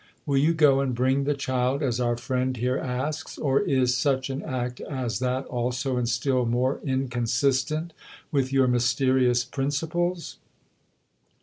"Will you go and bring the child, as our friend here asks, or is such an act as that also, and still more, inconsistent with your mysterious principles